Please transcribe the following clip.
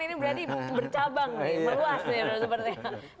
ini berarti bercabang berluas ya seperti itu